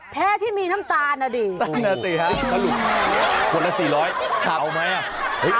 แท้ที่มีน้ำตาลน่ะดิ